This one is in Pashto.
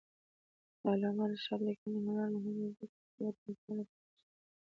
د علامه رشاد لیکنی هنر مهم دی ځکه چې وطنپالنه پکې شته.